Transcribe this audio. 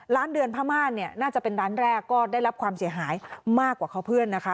ร้านเดือนพม่าเนี่ยน่าจะเป็นร้านแรกก็ได้รับความเสียหายมากกว่าเขาเพื่อนนะคะ